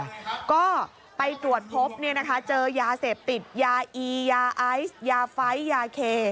แล้วก็ไปตรวจพบเนี่ยนะคะเจอยาเสพติดยาอียาไอซ์ยาไฟต์ยาเค